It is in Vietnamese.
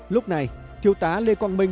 lúc này thiếu tá lê quang minh